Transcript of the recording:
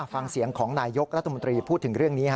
ฟังเสียงของนายยกรัฐมนตรีพูดถึงเรื่องนี้